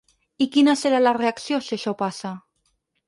I quina serà la reacció, si això passa?